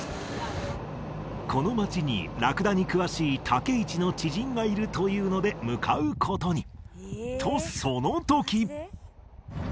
この街にラクダに詳しい武市の知人がいるというので向かうことにとその時！